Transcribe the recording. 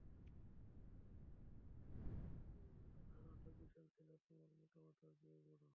আর ওটা বিশাল ছিল, তোমার মোটা মাথার চেয়েও বড়।